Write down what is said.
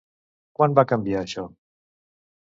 Quan va canviar això?